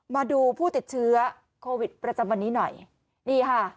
มาดูผู้ติดเชื้อโควิดประจำวันนี้หน่อยนี่ค่ะ